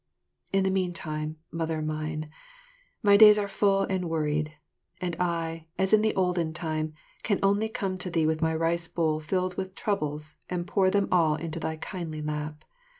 In the meantime, Mother mine, my days are full and worried, and I, as in the olden time, can only come to thee with my rice bowl filled with troubles and pour them all into thy kindly lap.